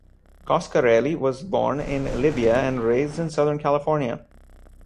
Coscarelli was born in Libya and raised in Southern California.